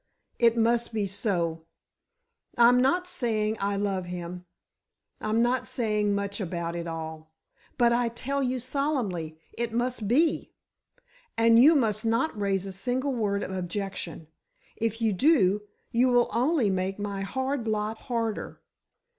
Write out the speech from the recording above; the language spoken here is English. "It must be so. I'm not saying I love him—I'm not saying much about it all—but I tell you solemnly—it must be. And you must not raise a single word of objection—if you do, you will only make my hard lot harder."